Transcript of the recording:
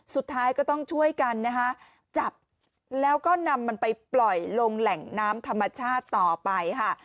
สุดท้ายก็ต้องช่วยกันนะคะจับแล้วก็นำมันไปปล่อยลงแหล่งน้ำธรรมชาติต่อไปค่ะ